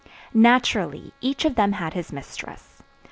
Naturally, each of them had his mistress.